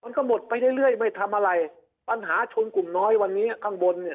มันก็หมดไปเรื่อยเรื่อยไม่ทำอะไรปัญหาชนกลุ่มน้อยวันนี้ข้างบนเนี่ย